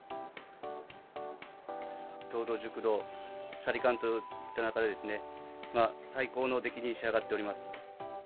糖度、熟度、しゃり感といった中で、最高の出来に仕上がっております。